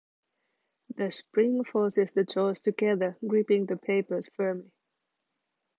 The spring forces the jaws together, gripping the papers firmly.